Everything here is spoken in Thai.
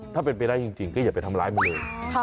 ถ้าเป็นไปได้จริงก็อย่าไปทำร้ายมันเลย